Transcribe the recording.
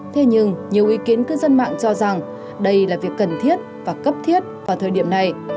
thế nhưng nhiều ý kiến cư dân mạng cho rằng đây là việc cần thiết và cấp thiết vào thời điểm này